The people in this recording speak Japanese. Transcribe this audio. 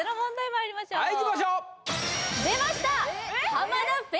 まいりましょうはいいきましょう出ました！